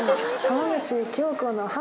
浜口京子の「浜」。